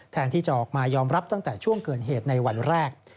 ที่จะออกมายอมรับตั้งแต่ช่วงเกิดเหตุในวันแรก